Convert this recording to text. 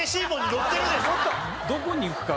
どこに行くか。